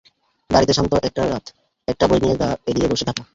বাড়িতে শান্ত একটা রাত, একটা বই নিয়ে গা এলিয়ে বসে থাকা।